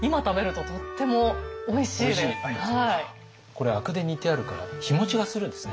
これ灰汁で煮てあるから日もちがするんですね。